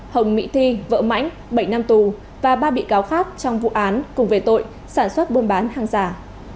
hồng mỹ thi vợ mãnh bảy năm tù và ba bị cáo khác trong vụ án cùng về tội sản xuất buôn bán hàng giả